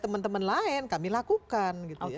teman teman lain kami lakukan